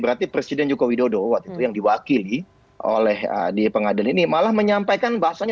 berarti presiden joko widodo waktu itu yang diwakili oleh di pengadilan ini malah menyampaikan bahasanya